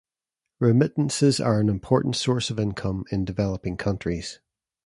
Remittances are an important source of income in developing countries.